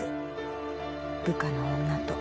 部下の女と。